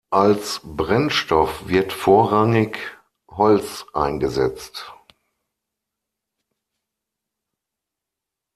Als Brennstoff wird vorrangig Holz eingesetzt.